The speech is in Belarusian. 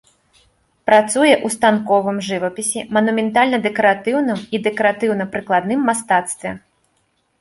Працуе ў станковым жывапісе, манументальна-дэкаратыўным і дэкаратыўна-прыкладным мастацтве.